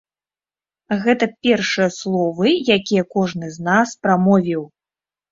Гэта першыя словы, якія кожны з нас прамовіў.